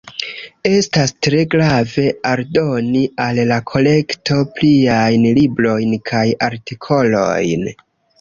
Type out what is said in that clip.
Estas tre grave aldoni al la kolekto pliajn librojn kaj artikolojn.